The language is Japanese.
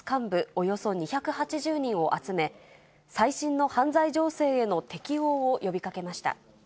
およそ２８０人を集め、最新の犯罪情勢への適応を呼びかけました。